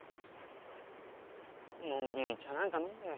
のんびり茶なんか飲んで。